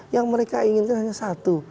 yang mereka inginkan hanya satu